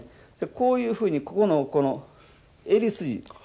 こういうふうにここの襟筋首筋